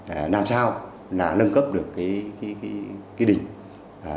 là làm sao là nâng cấp được cái đình lên ngang tầm với cái di tích lịch sử quốc gia